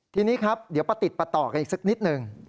ทีนี้ครับเดี๋ยวประติดประต่อกันอีกสักนิดหนึ่ง